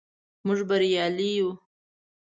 موږ بریالي یو.